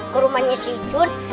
ke rumahnya si jun